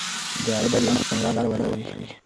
اداره باید روښانه کړنلارې ولري.